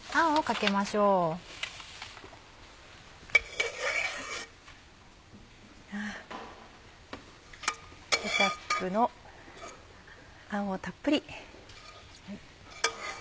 ケチャップのあんをたっぷり。